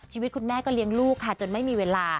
ชีวิตคุณแม่ก็เลี้ยงลูกค่ะจนไม่มีเวลา